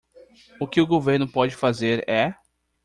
O que o governo pode fazer é